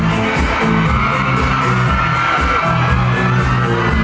ไม่ต้องถามไม่ต้องถาม